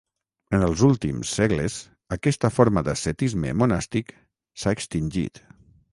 En els últims segles, aquesta forma d'ascetisme monàstic s'ha extingit.